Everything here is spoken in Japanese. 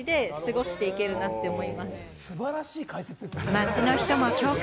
街の人も共感。